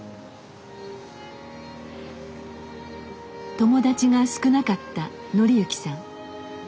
友達が少なかった範之さん。